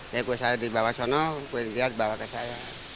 jadi kue saya dibawa sana kue dia dibawa ke saya